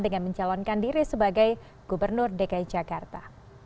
dengan mencalonkan diri sebagai gubernur dki jakarta